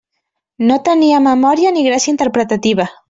No tenia memòria ni gràcia interpretativa.